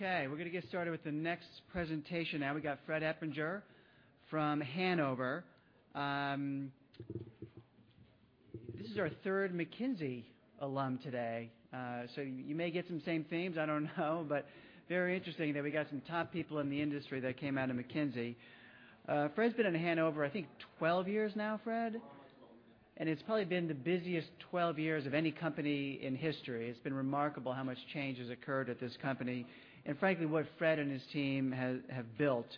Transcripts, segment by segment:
We're going to get started with the next presentation now. We got Fred Eppinger from Hanover. This is our third McKinsey alum today. You may get some same themes, I don't know. Very interesting that we got some top people in the industry that came out of McKinsey. Fred's been at Hanover, I think 12 years now, Fred? Almost 12. It's probably been the busiest 12 years of any company in history. It's been remarkable how much change has occurred at this company and frankly, what Fred and his team have built.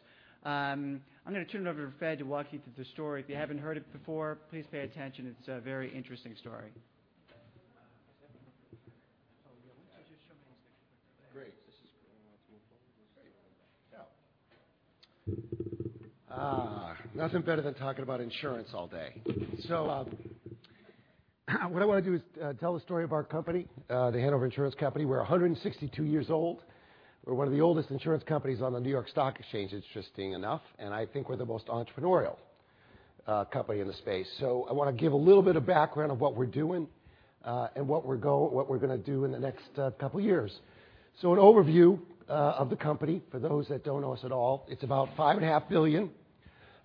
I'm going to turn it over to Fred to walk you through the story. If you haven't heard it before, please pay attention. It's a very interesting story. Nothing better than talking about insurance all day. What I want to do is tell the story of our company, the The Hanover Insurance Group. We're 162 years old. We're one of the oldest insurance companies on the New York Stock Exchange, interestingly enough, and I think we're the most entrepreneurial company in the space. I want to give a little bit of background of what we're doing, and what we're going to do in the next couple years. An overview of the company for those that don't know us at all. It's about $5.5 billion.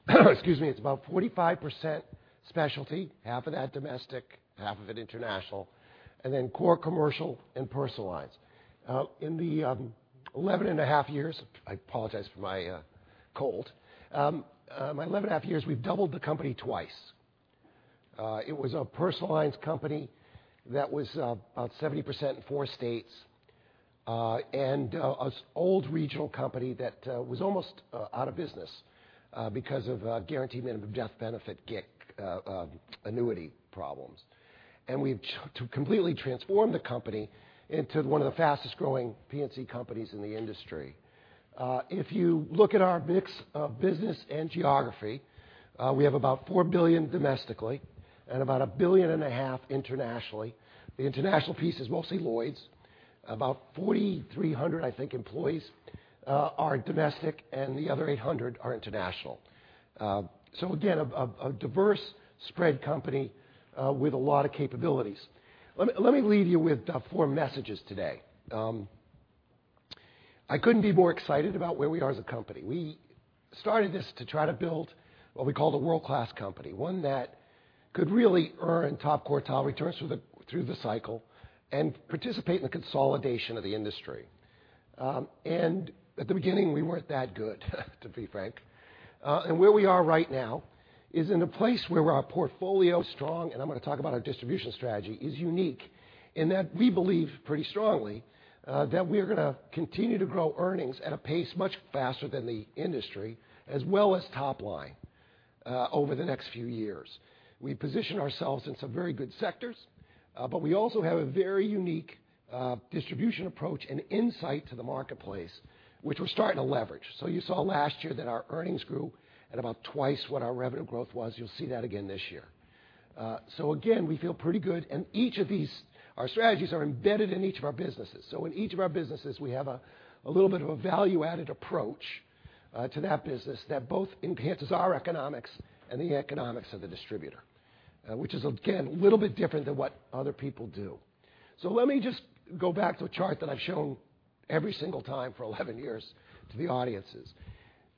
Excuse me. It's about 45% specialty, half of that domestic, half of it international, and then core commercial and personal lines. In the 11.5 years, I apologize for my cold. In 11.5 years, we've doubled the company twice. It was a personal lines company that was about 70% in four states, and an old regional company that was almost out of business because of guaranteed minimum death benefit GIC annuity problems. We've completely transformed the company into one of the fastest-growing P&C companies in the industry. If you look at our mix of business and geography, we have about $4 billion domestically and about $1.5 billion internationally. The international piece is mostly Lloyd's. About 4,300, I think, employees are domestic, and the other 800 are international. Again, a diverse spread company with a lot of capabilities. Let me leave you with four messages today. I couldn't be more excited about where we are as a company. We started this to try to build what we call a world-class company, one that could really earn top quartile returns through the cycle and participate in the consolidation of the industry. At the beginning, we weren't that good, to be frank. Where we are right now is in a place where our portfolio is strong, and I'm going to talk about our distribution strategy, is unique in that we believe pretty strongly that we are going to continue to grow earnings at a pace much faster than the industry as well as top line over the next few years. We position ourselves in some very good sectors. We also have a very unique distribution approach and insight to the marketplace, which we're starting to leverage. You saw last year that our earnings grew at about twice what our revenue growth was. You'll see that again this year. Again, we feel pretty good. Each of these, our strategies are embedded in each of our businesses. In each of our businesses, we have a little bit of a value-added approach to that business that both enhances our economics and the economics of the distributor. Which is, again, a little bit different than what other people do. Let me just go back to a chart that I've shown every single time for 11 years to the audiences.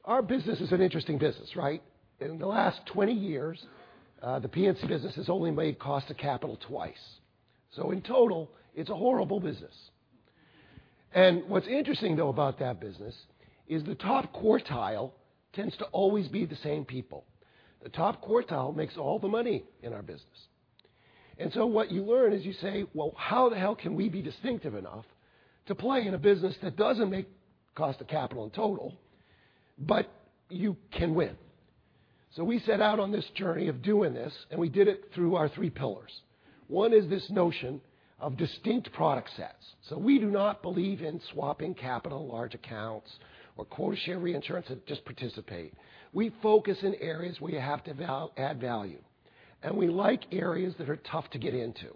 Our business is an interesting business, right? In the last 20 years, the P&C business has only made cost of capital twice. In total, it's a horrible business. What's interesting though about that business is the top quartile tends to always be the same people. The top quartile makes all the money in our business. What you learn is you say, well, how the hell can we be distinctive enough to play in a business that doesn't make cost of capital in total, but you can win? We set out on this journey of doing this, and we did it through our three pillars. One is this notion of distinct product sets. We do not believe in swapping capital, large accounts, or quota share reinsurance that just participate. We focus in areas where you have to add value. We like areas that are tough to get into,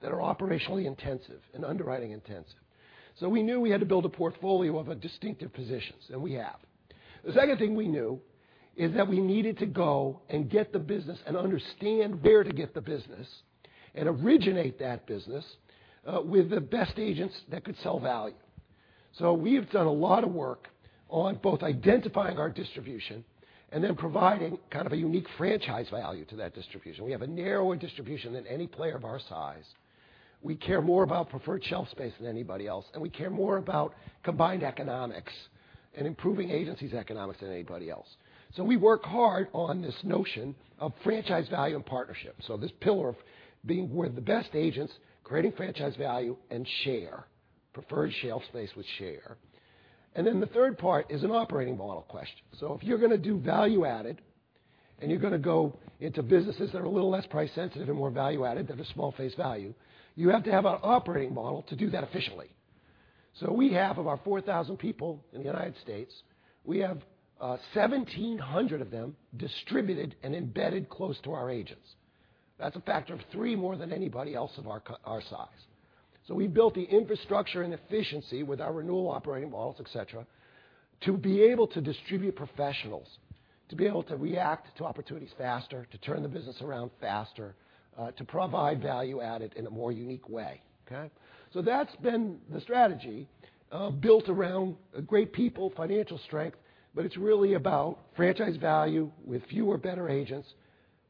that are operationally intensive and underwriting intensive. We knew we had to build a portfolio of distinctive positions, and we have. The second thing we knew is that we needed to go and get the business and understand where to get the business and originate that business with the best agents that could sell value. We've done a lot of work on both identifying our distribution and then providing kind of a unique franchise value to that distribution. We have a narrower distribution than any player of our size. We care more about preferred shelf space than anybody else, and we care more about combined economics and improving agencies' economics than anybody else. We work hard on this notion of franchise value and partnership. This pillar of being where the best agents creating franchise value and share. Preferred shelf space with share. The third part is an operating model question. If you're going to do value-added and you're going to go into businesses that are a little less price sensitive and more value-added, that have a small face value, you have to have an operating model to do that efficiently. We have of our 4,000 people in the U.S., we have 1,700 of them distributed and embedded close to our agents. That's a factor of three more than anybody else of our size. We built the infrastructure and efficiency with our renewal operating models, et cetera, to be able to distribute professionals To be able to react to opportunities faster, to turn the business around faster, to provide value added in a more unique way. Okay. That's been the strategy built around great people, financial strength, but it's really about franchise value with fewer better agents,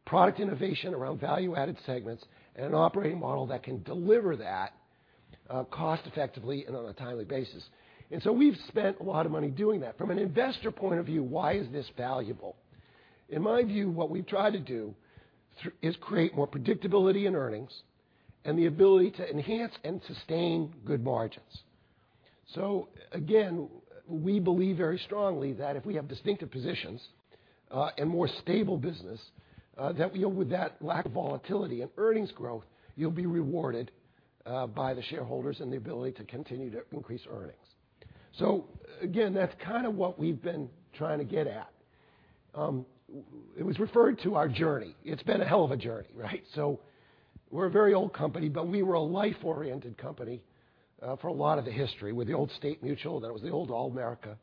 product innovation around value-added segments, and an operating model that can deliver that cost effectively and on a timely basis. From an investor point of view, why is this valuable? In my view, what we've tried to do is create more predictability in earnings and the ability to enhance and sustain good margins. Again, we believe very strongly that if we have distinctive positions, and more stable business, that with that lack of volatility and earnings growth, you'll be rewarded by the shareholders and the ability to continue to increase earnings. Again, that's kind of what we've been trying to get at. It was referred to our journey. It's been a hell of a journey, right. We're a very old company, but we were a life-oriented company for a lot of the history with the old State Mutual, then it was the old Allmerica.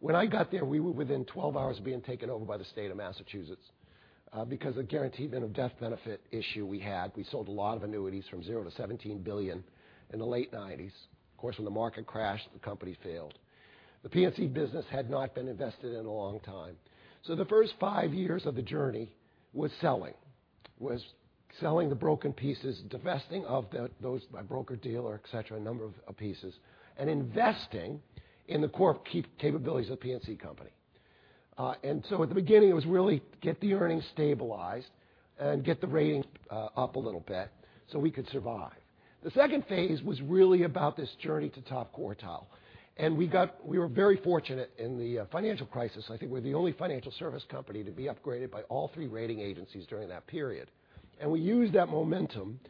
When I got there, we were within 12 hours of being taken over by the state of Massachusetts because of guaranteed death benefit issue we had. We sold a lot of annuities from zero to $17 billion in the late 1990s. Of course, when the market crashed, the company failed. The P&C business had not been invested in in a long time. The first five years of the journey was selling the broken pieces, divesting of those by broker-dealer, et cetera, a number of pieces, and investing in the core capabilities of the P&C company. At the beginning, it was really get the earnings stabilized and get the ratings up a little bit so we could survive. The second phase was really about this journey to top quartile. We were very fortunate in the financial crisis, I think we're the only financial service company to be upgraded by all three rating agencies during that period. We used that momentum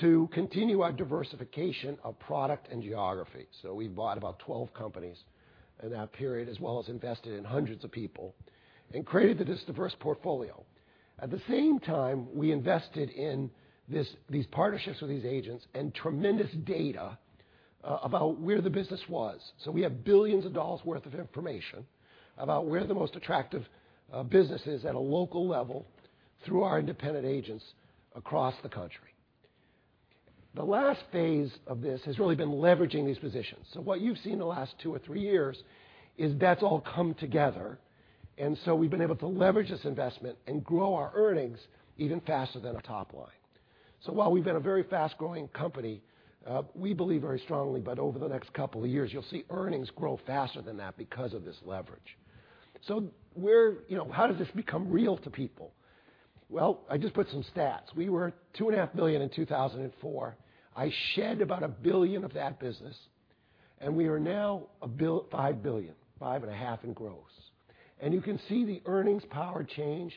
to continue our diversification of product and geography. We bought about 12 companies in that period, as well as invested in hundreds of people and created this diverse portfolio. At the same time, we invested in these partnerships with these agents and tremendous data about where the business was. We have billions of dollars worth of information about where the most attractive business is at a local level through our independent agents across the country. The last phase of this has really been leveraging these positions. What you've seen in the last two or three years is that's all come together, we've been able to leverage this investment and grow our earnings even faster than our top line. While we've been a very fast-growing company, we believe very strongly that over the next couple of years, you'll see earnings grow faster than that because of this leverage. How does this become real to people? Well, I just put some stats. We were $2.5 billion in 2004. I shed about $1 billion of that business, and we are now $5 billion, $5.5 billion in gross. You can see the earnings power change,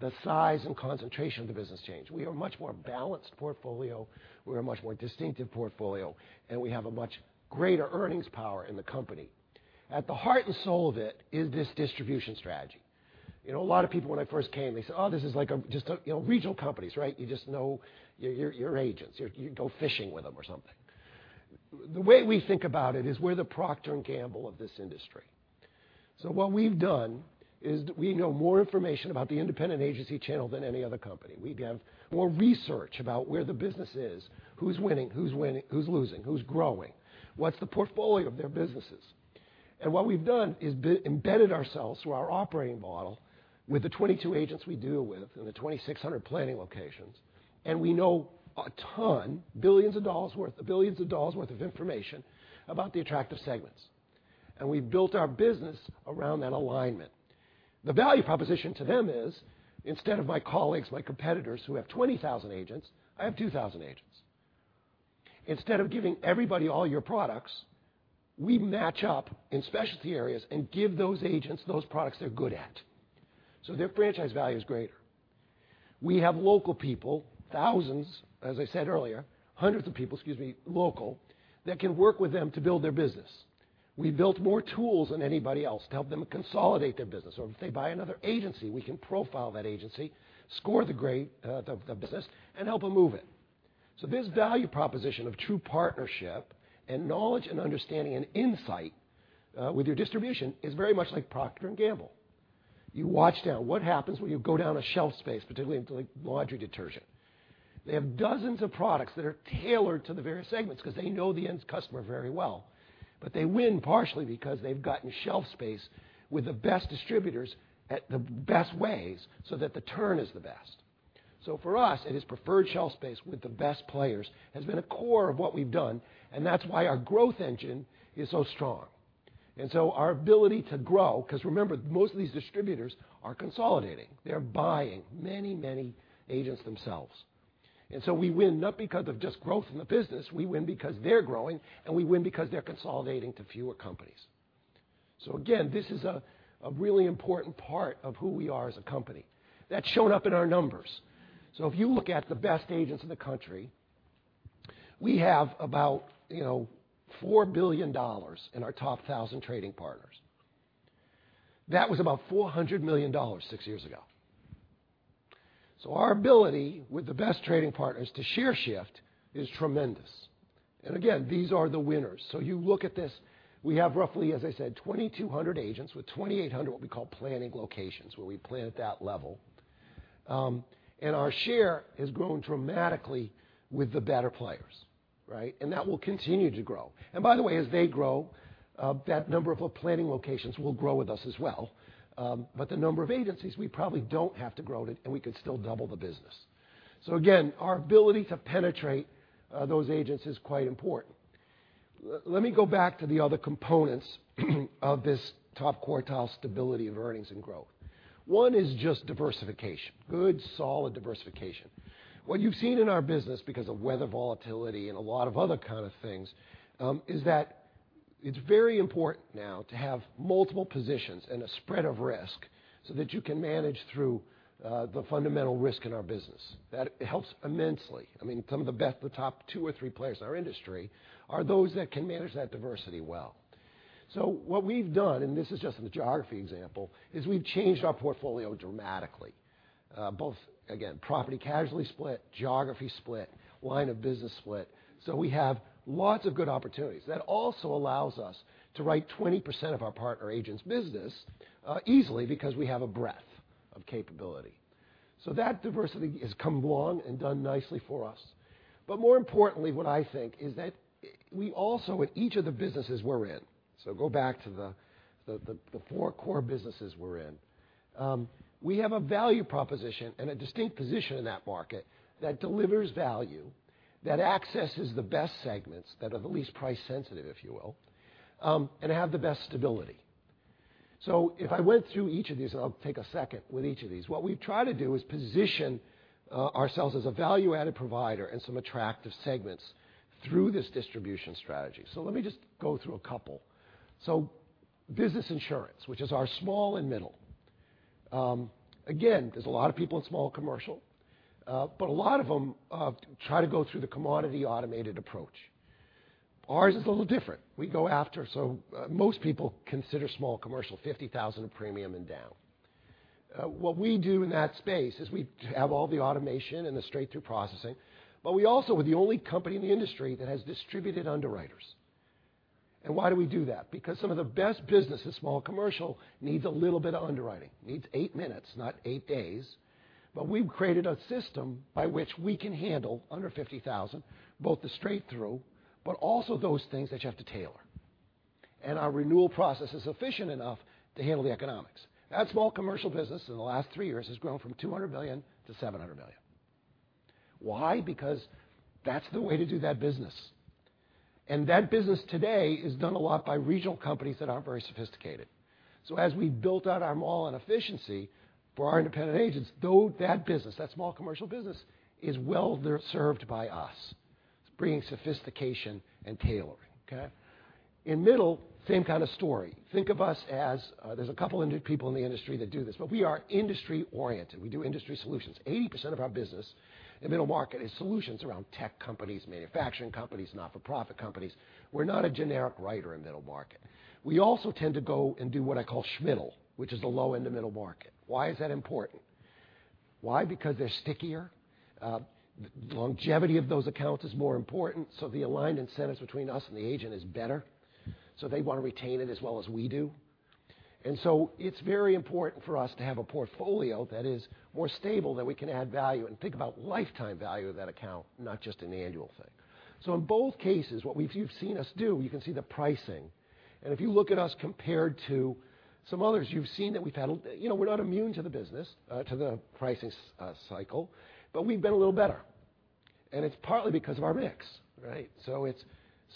the size and concentration of the business change. We are a much more balanced portfolio. We're a much more distinctive portfolio, and we have a much greater earnings power in the company. At the heart and soul of it is this distribution strategy. A lot of people when I first came, they said, "Oh, this is like a regional company." You just know your agents. You go fishing with them or something. The way we think about it is we're the Procter & Gamble of this industry. What we've done is we know more information about the independent agency channel than any other company. We have more research about where the business is, who's winning, who's losing, who's growing, what's the portfolio of their businesses. What we've done is embedded ourselves through our operating model with the 2,200 agents we deal with in the 2,600 planning locations, and we know a ton, billions of dollars worth of information about the attractive segments. We've built our business around that alignment. The value proposition to them is, instead of my colleagues, my competitors, who have 20,000 agents, I have 2,000 agents. Instead of giving everybody all your products, we match up in specialty areas and give those agents those products they're good at. Their franchise value is greater. We have local people, hundreds of people, local, that can work with them to build their business. We built more tools than anybody else to help them consolidate their business. If they buy another agency, we can profile that agency, score the business, and help them move it. This value proposition of true partnership and knowledge and understanding and insight, with your distribution, is very much like Procter & Gamble. You watch that. What happens when you go down a shelf space, particularly into laundry detergent? They have dozens of products that are tailored to the various segments because they know the end customer very well. They win partially because they've gotten shelf space with the best distributors at the best ways so that the turn is the best. For us, it is preferred shelf space with the best players, has been a core of what we've done, and that's why our growth engine is so strong. Our ability to grow, because remember, most of these distributors are consolidating. They're buying many agents themselves. We win not because of just growth in the business, we win because they're growing, and we win because they're consolidating to fewer companies. Again, this is a really important part of who we are as a company. That's shown up in our numbers. If you look at the best agents in the country, we have about $4 billion in our top 1,000 trading partners. That was about $400 million six years ago. Our ability with the best trading partners to share shift is tremendous. Again, these are the winners. You look at this, we have roughly, as I said, 2,200 agents with 2,800 what we call planning locations, where we plan at that level. Our share has grown dramatically with the better players. Right? That will continue to grow. By the way, as they grow, that number of planning locations will grow with us as well. The number of agencies, we probably don't have to grow it, and we could still double the business. Again, our ability to penetrate those agents is quite important. Let me go back to the other components of this top quartile stability of earnings and growth. One is just diversification, good, solid diversification. What you've seen in our business, because of weather volatility and a lot of other kind of things, is that it's very important now to have multiple positions and a spread of risk so that you can manage through the fundamental risk in our business. That helps immensely. Some of the top two or three players in our industry are those that can manage that diversity well. What we've done, and this is just in the geography example, is we've changed our portfolio dramatically. Both, again, property casualty split, geography split, line of business split, so we have lots of good opportunities. That also allows us to write 20% of our partner agents' business easily because we have a breadth of capability. That diversity has come along and done nicely for us. More importantly, what I think is that we also, at each of the businesses we're in, go back to the four core businesses we're in. We have a value proposition and a distinct position in that market that delivers value, that accesses the best segments that are the least price sensitive, if you will, and have the best stability. If I went through each of these, and I'll take a second with each of these, what we've tried to do is position ourselves as a value-added provider in some attractive segments through this distribution strategy. Let me just go through a couple. Business insurance, which is our small and middle. Again, there's a lot of people in small commercial. A lot of them try to go through the commodity automated approach. Ours is a little different. Most people consider small commercial 50,000 premium and down. What we do in that space is we have all the automation and the straight-through processing, but we also were the only company in the industry that has distributed underwriters. Why do we do that? Because some of the best business in small commercial needs a little bit of underwriting. Needs eight minutes, not eight days. We've created a system by which we can handle under 50,000, both the straight through, but also those things that you have to tailor. Our renewal process is efficient enough to handle the economics. That small commercial business in the last three years has grown from $200 million to $700 million. Why? Because that's the way to do that business. That business today is done a lot by regional companies that aren't very sophisticated. As we built out our mall and efficiency for our independent agents, that business, that small commercial business, is well served by us. It's bringing sophistication and tailoring. Okay? In middle, same kind of story. Think of us as, there's a couple of people in the industry that do this, but we are industry oriented. We do industry solutions. 80% of our business in middle market is solutions around tech companies, manufacturing companies, not-for-profit companies. We're not a generic writer in middle market. We also tend to go and do what I call schmiddle, which is the low end of middle market. Why is that important? Why? Because they're stickier. The longevity of those accounts is more important, the aligned incentives between us and the agent is better. They want to retain it as well as we do. It's very important for us to have a portfolio that is more stable that we can add value and think about lifetime value of that account, not just an annual thing. In both cases, what you've seen us do, you can see the pricing. If you look at us compared to some others, you've seen that we've had. We're not immune to the business, to the pricing cycle, but we've been a little better. It's partly because of our mix. Right? It's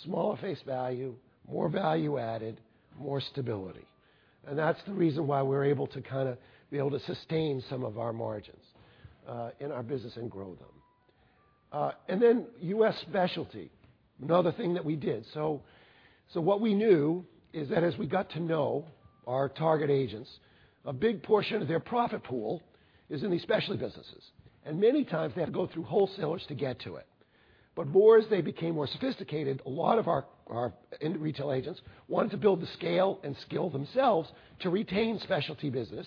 smaller face value, more value added, more stability. That's the reason why we're able to kind of be able to sustain some of our margins in our business and grow them. U.S. specialty, another thing that we did. What we knew is that as we got to know our target agents, a big portion of their profit pool is in these specialty businesses. Many times, they have to go through wholesalers to get to it. More as they became more sophisticated, a lot of our retail agents wanted to build the scale and skill themselves to retain specialty business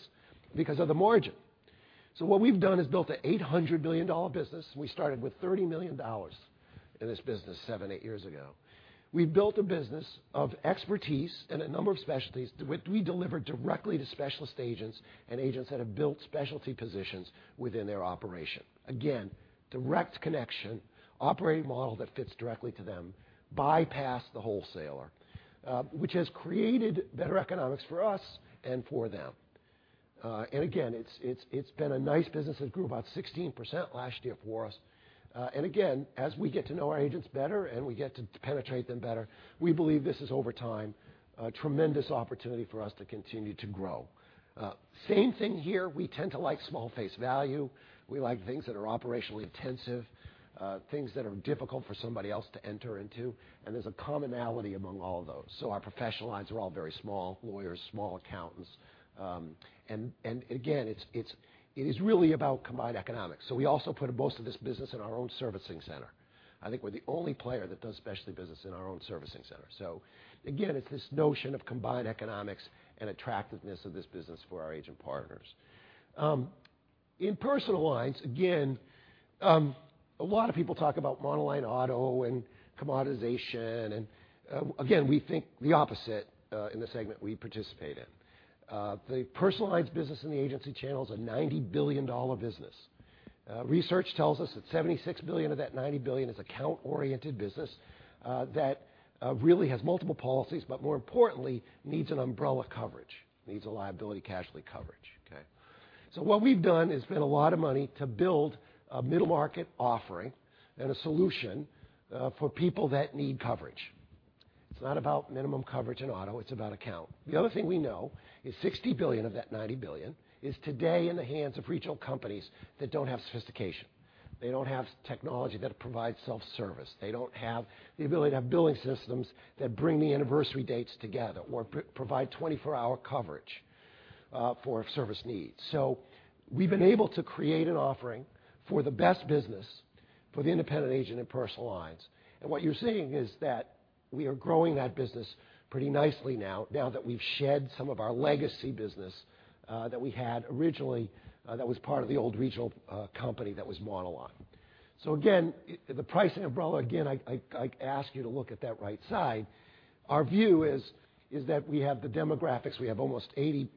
because of the margin. What we've done is built an $800 million business. We started with $30 million in this business seven, eight years ago. We've built a business of expertise and a number of specialties, which we deliver directly to specialist agents and agents that have built specialty positions within their operation. Again, direct connection, operating model that fits directly to them, bypass the wholesaler, which has created better economics for us and for them. Again, it's been a nice business that grew about 16% last year for us. Again, as we get to know our agents better and we get to penetrate them better, we believe this is, over time, a tremendous opportunity for us to continue to grow. Same thing here. We tend to like small face value. We like things that are operationally intensive, things that are difficult for somebody else to enter into, and there's a commonality among all of those. Our professional lines are all very small. Lawyers, small accountants. Again, it is really about combined economics. We also put most of this business in our own servicing center. I think we're the only player that does specialty business in our own servicing center. Again, it's this notion of combined economics and attractiveness of this business for our agent partners. In personal lines, again, a lot of people talk about monoline auto and commoditization, again, we think the opposite in the segment we participate in. The personal lines business in the agency channel is a $90 billion business. Research tells us that $76 billion of that $90 billion is account-oriented business that really has multiple policies, but more importantly, needs an umbrella coverage, needs a liability casualty coverage. Okay? What we've done is spent a lot of money to build a middle-market offering and a solution for people that need coverage. It's not about minimum coverage in auto, it's about account. The other thing we know is $60 billion of that $90 billion is today in the hands of regional companies that don't have sophistication. They don't have technology that provides self-service. They don't have the ability to have billing systems that bring the anniversary dates together or provide 24-hour coverage for service needs. We've been able to create an offering for the best business for the independent agent in personal lines. What you're seeing is that we are growing that business pretty nicely now that we've shed some of our legacy business that we had originally that was part of the old regional company that was monoline. Again, the pricing umbrella, again, I ask you to look at that right side. Our view is that we have the demographics. We have almost 80%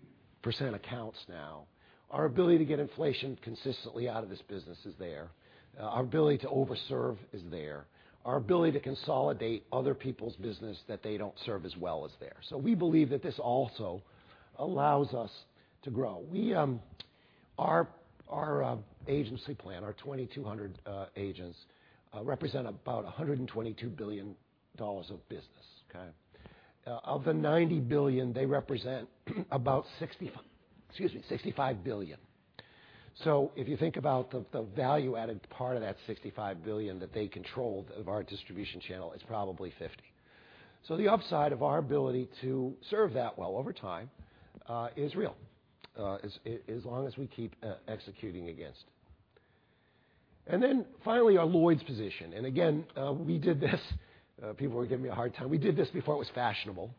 accounts now. Our ability to get inflation consistently out of this business is there. Our ability to over-serve is there. Our ability to consolidate other people's business that they don't serve as well is there. We believe that this also allows us to grow. Our agency plan, our 2,200 agents represent about $122 billion of business. Okay? Of the $90 billion, they represent about $65 billion. If you think about the value-added part of that $65 billion that they control of our distribution channel is probably $50 billion. The upside of our ability to serve that well over time is real, as long as we keep executing against it. Finally, our Lloyd's position, again, we did this. People were giving me a hard time. We did this before it was fashionable.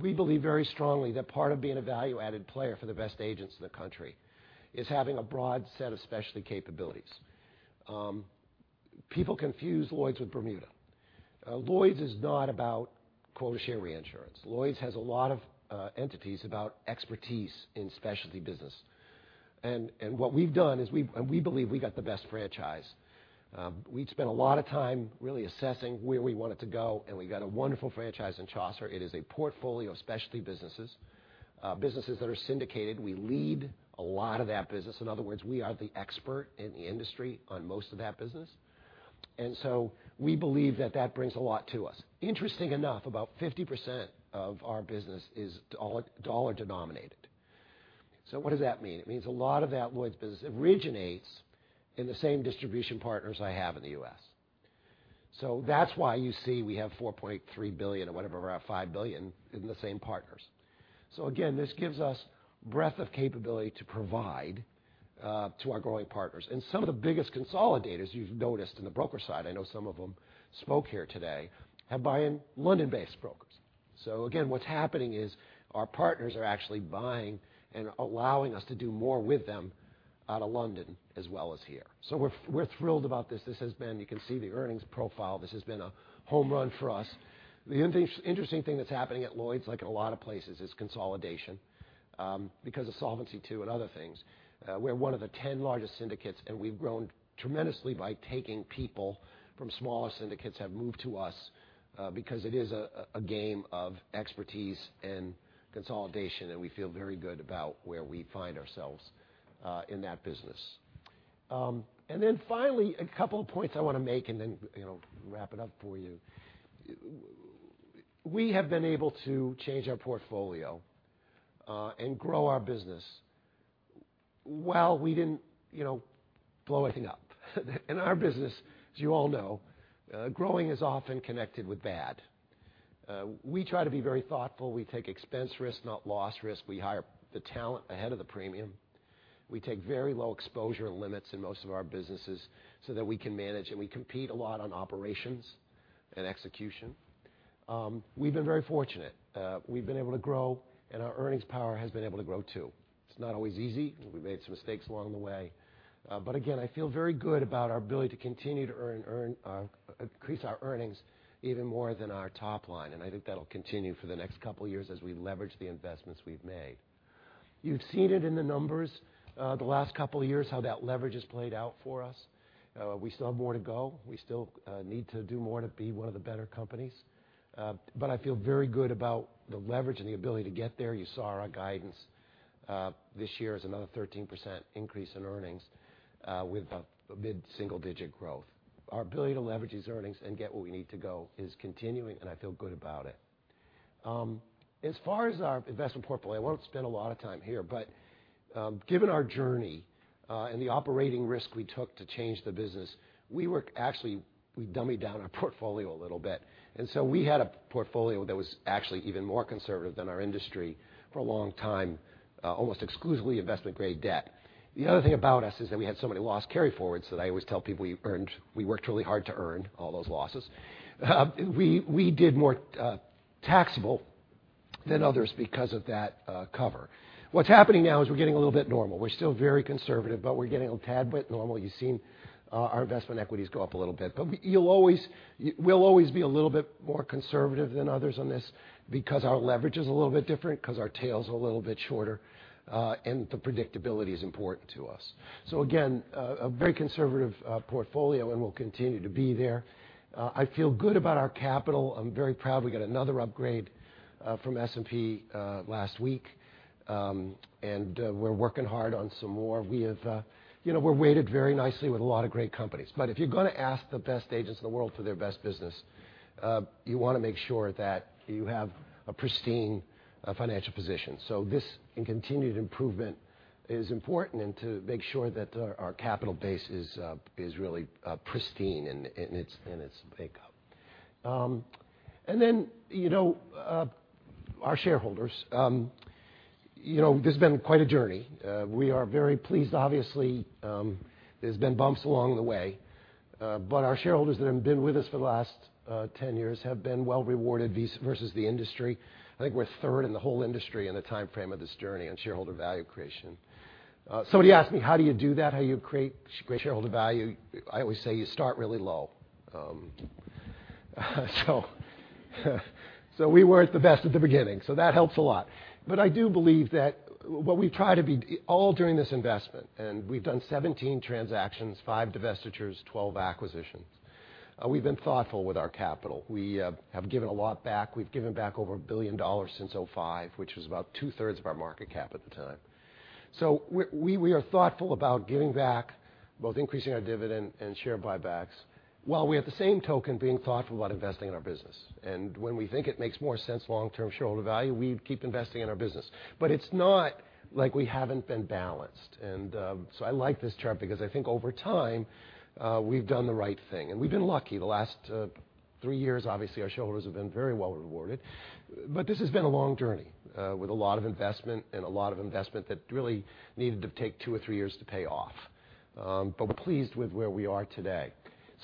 We believe very strongly that part of being a value-added player for the best agents in the country is having a broad set of specialty capabilities. People confuse Lloyd's with Bermuda. Lloyd's is not about quota share reinsurance. Lloyd's has a lot of entities about expertise in specialty business. What we've done is we believe we got the best franchise. We'd spent a lot of time really assessing where we wanted to go, and we got a wonderful franchise in Chaucer. It is a portfolio of specialty businesses that are syndicated. We lead a lot of that business. In other words, we are the expert in the industry on most of that business. We believe that that brings a lot to us. Interesting enough, about 50% of our business is dollar-denominated. What does that mean? It means a lot of that Lloyd's business originates in the same distribution partners I have in the U.S. That's why you see we have $4.3 billion or whatever, around $5 billion in the same partners. This gives us breadth of capability to provide to our growing partners. Some of the biggest consolidators you've noticed in the broker side, I know some of them spoke here today, have buying London-based brokers. What's happening is our partners are actually buying and allowing us to do more with them out of London as well as here. We're thrilled about this. You can see the earnings profile. This has been a home run for us. The interesting thing that's happening at Lloyd's, like in a lot of places, is consolidation. Because of Solvency II and other things, we're one of the 10 largest syndicates, and we've grown tremendously by taking people from smaller syndicates have moved to us, because it is a game of expertise and consolidation, and we feel very good about where we find ourselves in that business. Finally, a couple of points I want to make and then wrap it up for you. We have been able to change our portfolio, and grow our business, while we didn't blow anything up. In our business, as you all know, growing is often connected with bad. We try to be very thoughtful. We take expense risk, not loss risk. We hire the talent ahead of the premium. We take very low exposure limits in most of our businesses so that we can manage, and we compete a lot on operations and execution. We've been very fortunate. We've been able to grow, and our earnings power has been able to grow, too. It's not always easy. We've made some mistakes along the way. I feel very good about our ability to continue to increase our earnings even more than our top line, and I think that'll continue for the next couple of years as we leverage the investments we've made. You've seen it in the numbers the last couple of years how that leverage has played out for us. We still have more to go. We still need to do more to be one of the better companies. I feel very good about the leverage and the ability to get there. You saw our guidance. This year is another 13% increase in earnings with a mid-single-digit growth. Our ability to leverage these earnings and get where we need to go is continuing, and I feel good about it. As far as our investment portfolio, I won't spend a lot of time here, but given our journey, and the operating risk we took to change the business, we were actually dummied down our portfolio a little bit. We had a portfolio that was actually even more conservative than our industry for a long time, almost exclusively investment-grade debt. The other thing about us is that we had so many loss carryforwards that I always tell people we worked really hard to earn all those losses. We did more taxable than others because of that cover. What's happening now is we're getting a little bit normal. We're still very conservative, but we're getting a tad bit normal. You've seen our investment equities go up a little bit. We'll always be a little bit more conservative than others on this because our leverage is a little bit different, because our tail is a little bit shorter, and the predictability is important to us. Again, a very conservative portfolio, and we'll continue to be there. I feel good about our capital. I'm very proud we got another upgrade from S&P last week. We're working hard on some more. We're weighted very nicely with a lot of great companies. If you're going to ask the best agents in the world for their best business, you want to make sure that you have a pristine financial position. This, and continued improvement, is important and to make sure that our capital base is really pristine in its makeup. Our shareholders. This has been quite a journey. We are very pleased. Obviously, there's been bumps along the way. Our shareholders that have been with us for the last 10 years have been well-rewarded versus the industry. I think we're third in the whole industry in the timeframe of this journey on shareholder value creation. Somebody asked me, "How do you do that? How do you create shareholder value?" I always say, "You start really low." We weren't the best at the beginning, so that helps a lot. I do believe that what we try to be all during this investment, and we've done 17 transactions, five divestitures, 12 acquisitions. We've been thoughtful with our capital. We have given a lot back. We've given back over $1 billion since 2005, which was about two-thirds of our market cap at the time. We are thoughtful about giving back, both increasing our dividend and share buybacks, while we at the same token being thoughtful about investing in our business. When we think it makes more sense long-term shareholder value, we keep investing in our business. It's not like we haven't been balanced. I like this chart because I think over time, we've done the right thing. We've been lucky. The last three years, obviously, our shareholders have been very well rewarded. This has been a long journey with a lot of investment, and a lot of investment that really needed to take two or three years to pay off. We're pleased with where we are today.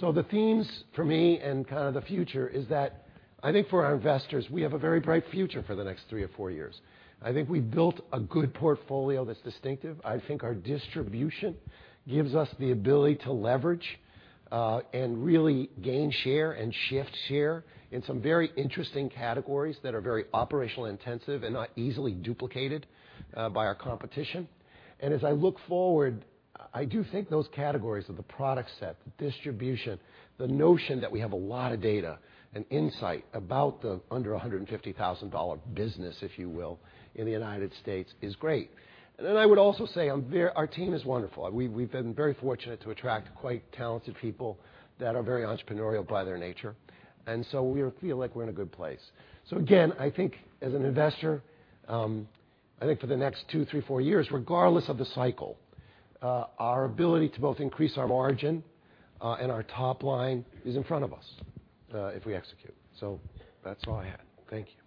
The themes for me and kind of the future is that I think for our investors, we have a very bright future for the next three or four years. I think we've built a good portfolio that's distinctive. I think our distribution gives us the ability to leverage, and really gain share and shift share in some very interesting categories that are very operationally intensive and not easily duplicated by our competition. As I look forward, I do think those categories of the product set, the distribution, the notion that we have a lot of data and insight about the under-$150,000 business, if you will, in the U.S. is great. I would also say our team is wonderful. We've been very fortunate to attract quite talented people that are very entrepreneurial by their nature. We feel like we're in a good place. Again, I think as an investor, I think for the next two, three, four years, regardless of the cycle, our ability to both increase our margin and our top line is in front of us if we execute. That's all I had. Thank you.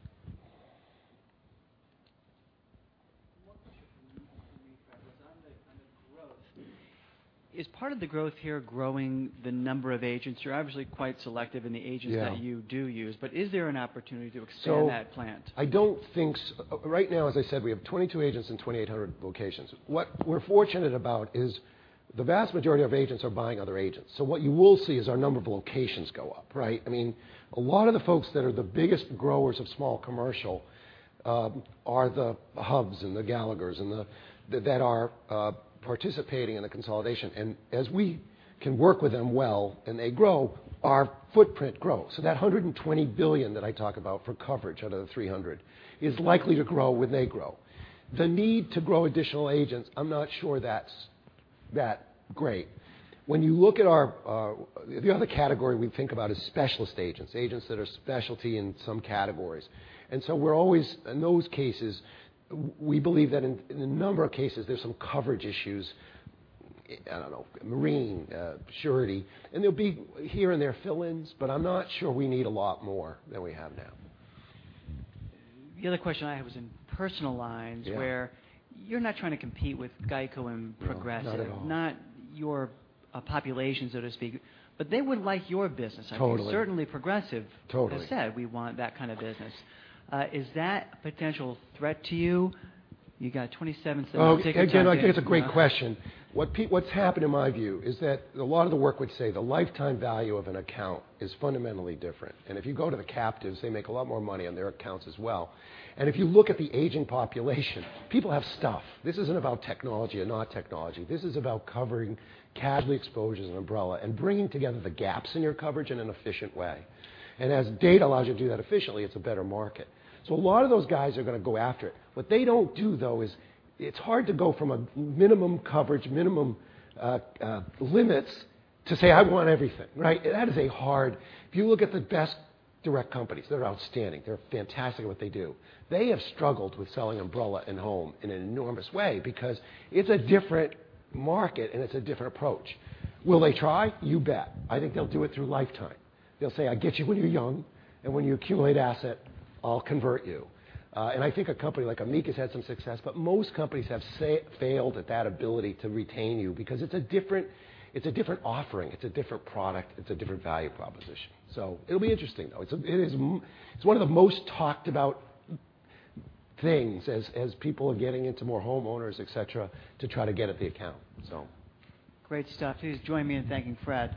One question for me, Fred, was on the growth. Is part of the growth here growing the number of agents? You're obviously quite selective in the agents that you do use. Yeah. Is there an opportunity to expand that plan? Right now, as I said, we have 22 agents and 2,800 locations. What we're fortunate about is the vast majority of agents are buying other agents. What you will see is our number of locations go up, right? A lot of the folks that are the biggest growers of small commercial are the Hubs and the Gallaghers that are participating in the consolidation. As we can work with them well and they grow, our footprint grows. That $120 billion that I talk about for coverage out of the 300 is likely to grow when they grow. The need to grow additional agents, I'm not sure that's that great. The other category we think about is specialist agents that are specialty in some categories. In those cases, we believe that in a number of cases, there's some coverage issues, I don't know, marine, surety. There'll be here and there fill-ins, I'm not sure we need a lot more than we have now. The other question I have is in personal lines. Yeah where you're not trying to compete with GEICO and Progressive. No, not at all. Not your population, so to speak. They would like your business, I think. Totally. Certainly Progressive. Totally has said, "We want that kind of business." Is that a potential threat to you? You got $0.27 a share. Again, I think it's a great question. What's happened, in my view, is that a lot of the work would say the lifetime value of an account is fundamentally different. If you go to the captives, they make a lot more money on their accounts as well. If you look at the aging population, people have stuff. This isn't about technology and not technology. This is about covering casualty exposures and umbrella and bringing together the gaps in your coverage in an efficient way. As data allows you to do that efficiently, it's a better market. A lot of those guys are going to go after it. What they don't do, though, is it's hard to go from a minimum coverage, minimum limits to say, "I want everything," right? That is hard. If you look at the best direct companies, they're outstanding. They're fantastic at what they do. They have struggled with selling umbrella and home in an enormous way because it's a different market, and it's a different approach. Will they try? You bet. I think they'll do it through lifetime. They'll say, "I get you when you're young, and when you accumulate asset, I'll convert you." I think a company like Amica has had some success, but most companies have failed at that ability to retain you because it's a different offering. It's a different product. It's a different value proposition. It'll be interesting, though. It's one of the most talked about things as people are getting into more homeowners, et cetera, to try to get at the account. Great stuff. Please join me in thanking Fred